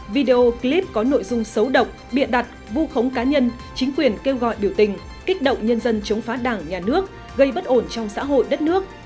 video clip có nội dung xấu độc bịa đặt vu khống cá nhân chính quyền kêu gọi biểu tình kích động nhân dân chống phá đảng nhà nước gây bất ổn trong xã hội đất nước